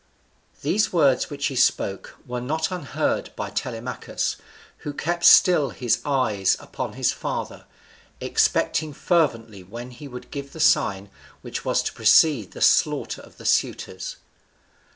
These words which he spoke were not unheard by Telemachus, who kept still his eye upon his father, expecting fervently when he would give the sign which was to precede the slaughter of the suitors.